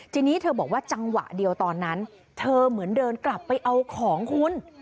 ทีนี้เธอบอกว่าจังหวะเดียวตอนนั้นเธอเหมือนเดินกลับไปเอาของคุณ